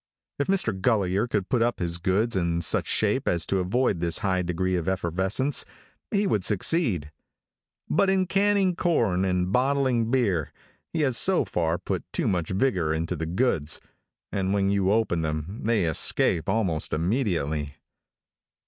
If Mr. Gulliher could put up his goods in such shape as to avoid this high degree of effervescence, he would succeed; but in canning corn and bottling beer, he has so far put too much vigor into the goods, and when you open them, they escape almost immediately.